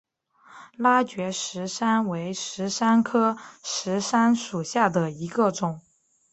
拉觉石杉为石杉科石杉属下的一个种。